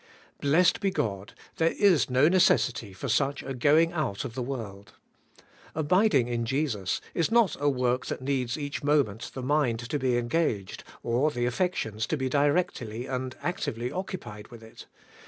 Blessed be God, there is no necessity for such a going out of the world. Abiding in Jesus is not a work that needs each moment the mind to be en gaged, or the affections to be directly and actively occupied with it.